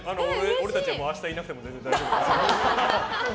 俺たちは明日いなくても全然大丈夫。